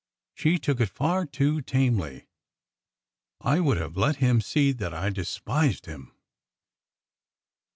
She took it far too tamely. I would have let him see that I despised him."